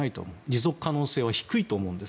持続可能性は低いと思う。